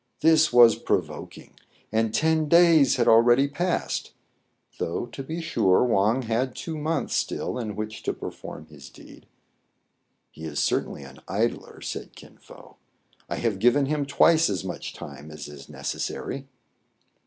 This was provoking, and ten days had already passed ; though, to be sure, Wang had two months still in which to perform his deed. "He is certainly an idler," said Kin Fo. "I have given him twice as much time as is neces sary."